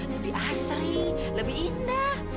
lebih asri lebih indah